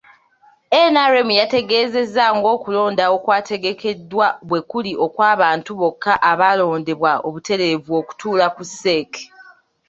NRM yateegezezza ng'okulonda okwategekeddwa bwe kuli okw'abantu bokka abalondebwa obutereevu okutuula ku CEC.